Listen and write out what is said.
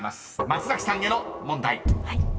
松さんへの問題］